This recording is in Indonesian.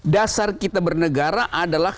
dasar kita bernegara adalah